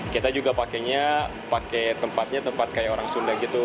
kita juga pakainya pakai tempatnya tempat kayak orang sunda gitu